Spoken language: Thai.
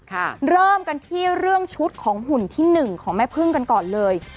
เริ่มกันที่เรื่องชุดของหุ่นที่หนึ่งของแม่พึ่งกันก่อนเลย